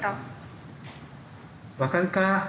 わかるか？